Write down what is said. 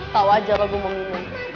tau aja lah gue mau minum